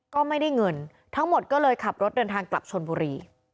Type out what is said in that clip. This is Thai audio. ก็ไม่ได้เงินทั้งหมดก็เลยขับรถเดินทางกลับชนบุรี